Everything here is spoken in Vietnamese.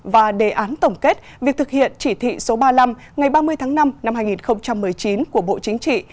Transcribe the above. và đề án tổng kết việc thực hiện chỉ thị số ba mươi năm ngày ba mươi tháng năm năm hai nghìn một mươi chín của bộ chính trị